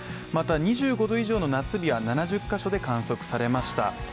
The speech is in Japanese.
また２５度以上の夏日は７０カ所で観測されました。